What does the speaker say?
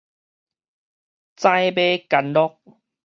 指尾干樂